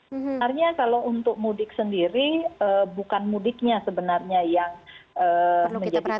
sebenarnya kalau untuk mudik sendiri bukan mudiknya sebenarnya yang menjadi prioritas